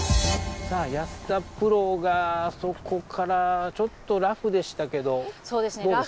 さあ安田プロがあそこからちょっとラフでしたけどどうですか？